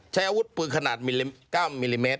ใช้อาวุธปืนขนาด๙มิลลิเมตร